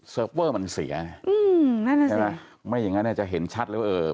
เซิร์ฟเวอร์มันเสียใช่ไหมครับไม่อย่างนั้นเนี่ยจะเห็นชัดเลยว่า